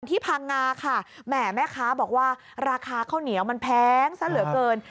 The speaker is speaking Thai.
พังงาค่ะแหมแม่ค้าบอกว่าราคาข้าวเหนียวมันแพงซะเหลือเกิน